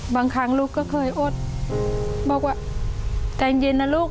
บางครั้งลูกก็เคยอดบอกว่าใจเย็นนะลูก